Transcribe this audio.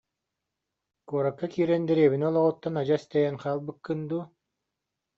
Куоракка киирэн дэриэбинэ олоҕуттан адьас тэйэн хаалбыккын дуу